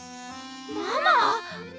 ママ！？